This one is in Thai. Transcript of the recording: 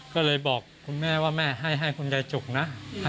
ก็เลยบอกคุณแม่ว่าแม่ให้คุณยายจุกนะ